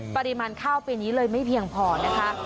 ปริมาณข้าวปีนี้เลยไม่เพียงพอนะคะ